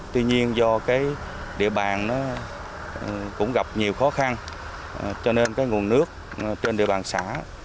tuy nhiên do địa bàn cũng gặp nhiều khó khăn cho nên nguồn nước trên địa bàn xã